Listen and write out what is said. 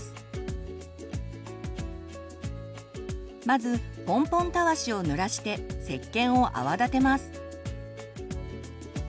まずポンポンたわしをぬらしてせっけんを泡立てます。